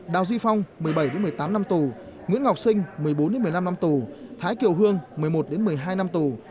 đào duy phong một mươi bảy một mươi tám năm tù nguyễn ngọc sinh một mươi bốn một mươi năm năm tù thái kiều hương một mươi một một mươi hai năm tù